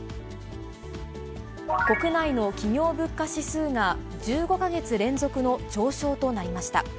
国内の企業物価指数が１５か月連続の上昇となりました。